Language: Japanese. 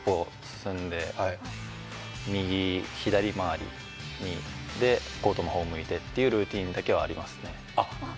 ６歩進んで左回りにで、５度のほう向いてっていうルーティンはありますね。